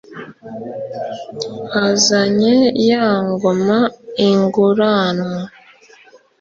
azanye ya ngoma inguranwa